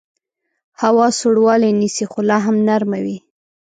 هوا سوړوالی نیسي خو لاهم نرمه وي